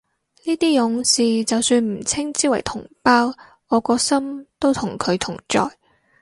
呢啲勇士就算唔稱之為同胞，我個心都同佢同在